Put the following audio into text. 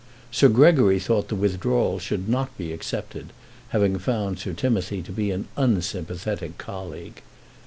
Sir Gregory thought the withdrawal should not be accepted, having found Sir Timothy to be an unsympathetic colleague.